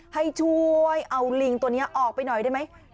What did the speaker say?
ให้ช่วยเอาลิงตัวนี้ออกไปหน่อยได้ไหม